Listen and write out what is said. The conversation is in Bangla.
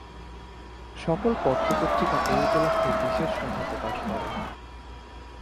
সকল পত্র-পত্রিকা এ উপলক্ষে বিশেষ সংখ্যা প্রকাশ করে।